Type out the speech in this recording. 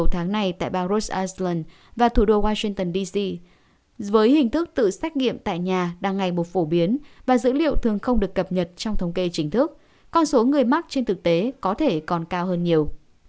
sáu tháng này tại bang ros island và thủ đô washington dc với hình thức tự xét nghiệm tại nhà đang ngày một phổ biến và dữ liệu thường không được cập nhật trong thống kê chính thức con số người mắc trên thực tế có thể còn cao hơn nhiều